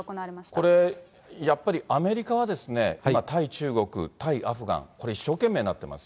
これ、やっぱりアメリカは対中国、対アフガン、これ、一生懸命になっています。